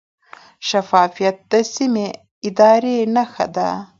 شفافیت د سمې ادارې نښه ده.